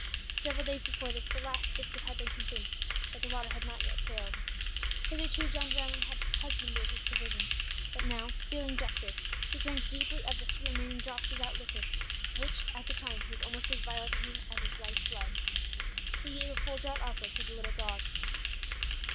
Several days before this the last biscuit had been consumed but the water had not yet failed. Hitherto John Jarwin had husbanded his provisions, but now, feeling desperate, he drank deeply of the few remaining drops of that liquid which, at the time, was almost as vital to him as his life blood. He gave a full draught also to the little dog.